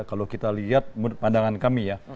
kalau kita lihat pandangan kami ya